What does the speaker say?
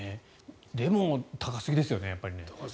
でも、高すぎですよね。